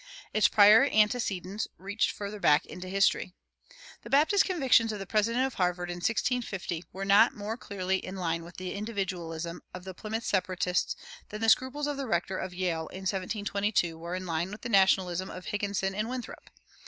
Its prior antecedents reached farther back into history. The Baptist convictions of the president of Harvard in 1650 were not more clearly in line with the individualism of the Plymouth Separatists than the scruples of the rector of Yale in 1722 were in line with the Nationalism of Higginson and Winthrop.